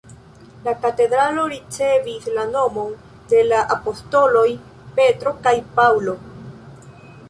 La katedralo ricevis la nomon de la apostoloj Petro kaj Paŭlo.